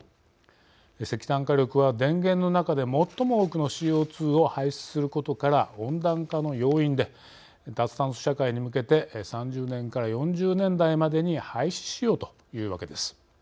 石炭火力は電源の中で最も多くのＣＯ２を排出することから温暖化の要因で脱炭素社会に向けて３０年から４０年代までに廃止しようというわけです。